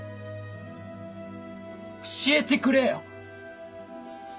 教えてくれよ。